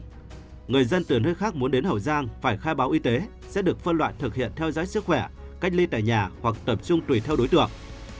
vì vậy người dân từ nơi khác muốn đến hậu giang phải khai báo y tế sẽ được phân loại thực hiện theo dõi sức khỏe cách ly tại nhà hoặc tập trung tùy theo đối tượng